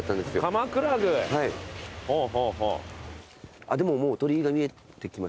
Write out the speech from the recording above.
あっでももう鳥居が見えてきましたよ。